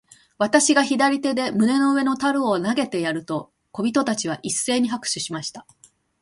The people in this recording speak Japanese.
私が左手で胸の上の樽を投げてやると、小人たちは一せいに拍手しました。